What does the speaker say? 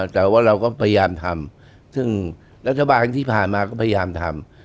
แต่ว่าเราก็พยายามทำซึ่งรัฐบาลที่ผ่านมาก็พยายามทำ